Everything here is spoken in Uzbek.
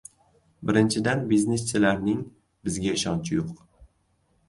Birinchidan bizneschilarning bizga ishonchi yo‘q: